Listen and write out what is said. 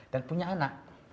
dan punya anak